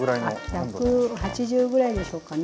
１８０ぐらいでしょうかね。